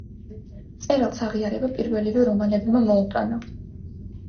მწერალს აღიარება პირველივე რომანებმა მოუტანა.